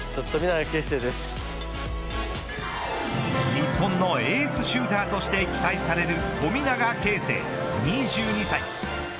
日本のエースシューターとして期待される富永啓生、２２歳。